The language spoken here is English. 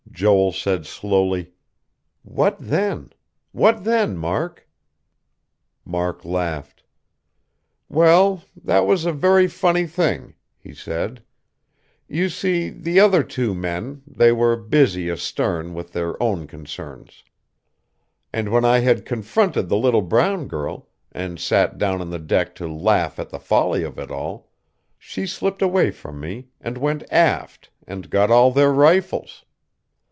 Joel said slowly: "What then? What then, Mark?" Mark laughed. "Well, that was a very funny thing," he said. "You see, the other two men, they were busy, astern, with their own concerns. And when I had comforted the little brown girl, and sat down on the deck to laugh at the folly of it all, she slipped away from me, and went aft, and got all their rifles.